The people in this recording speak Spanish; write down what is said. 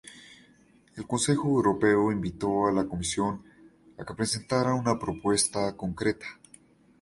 El Consejo Europeo invitó a la Comisión a que presentara una propuesta concreta.